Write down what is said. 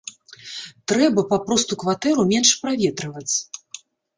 Трэба папросту кватэру менш праветрываць.